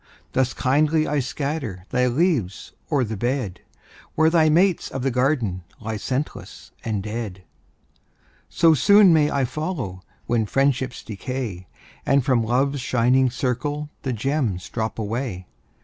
Thus kindly I scatter Thy leaves o'er the bed, Where thy mates of the garden Lie scentless and dead. So soon may I follow, When friendships decay, And from Love's shining circle The gems drop away.